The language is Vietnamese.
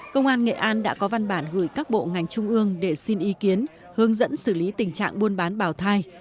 công an nghệ an đã có văn bản gửi các bộ ngành trung ương để xin ý kiến hướng dẫn xử lý tình trạng buôn bán bảo thai